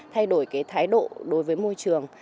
thay đổi cái thái độ đối với môi trường